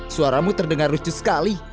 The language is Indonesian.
suaramu terdengar lucu sekali